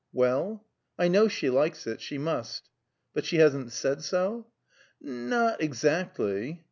"Well?" "I know she likes it; she must." "But she hasn't said so?" "Not exactly."